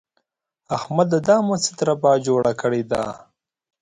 احمده! دا مو څه دربه جوړه کړې ده؟!